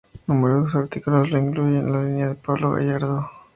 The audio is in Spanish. Numerosos artículos lo incluyen en la línea de Pablo Gargallo y Julio Gonzalez.